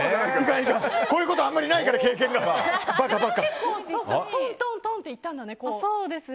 こういうことあまりないから結構トントントンっていったんだね。